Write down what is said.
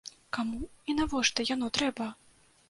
Каму і навошта яно трэба?